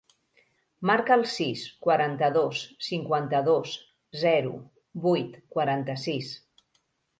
Marca el sis, quaranta-dos, cinquanta-dos, zero, vuit, quaranta-sis.